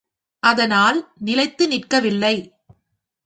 அதனால் நிலைத்து நிற்கவில்லை.